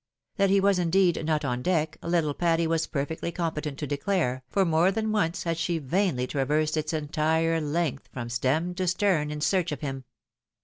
That he was indeed not on deck, little Patty was perfectly competent to declare, for more than once had she vainly traversed its entire length from stem to stern in search of him.